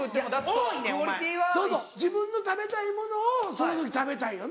そうそう自分の食べたいものをその時食べたいよな。